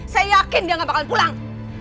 saya yakin dia gak bakalan pulang